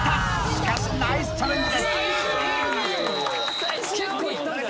しかしナイスチャレンジです